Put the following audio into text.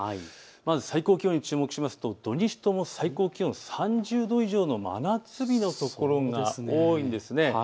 まず最高気温に注目しますと土日とも最高気温３０度以上の真夏日のところが多いんです。